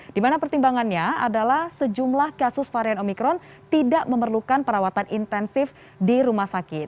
dimana pertimbangannya adalah sejumlah kasus varian omikron tidak memerlukan perawatan intensif di rumah sakit